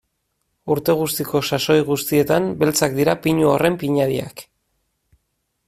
Urte guztiko sasoi guztietan beltzak dira pinu horren pinadiak.